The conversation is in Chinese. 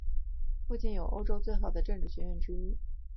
附近有欧洲最好的政治学院之一。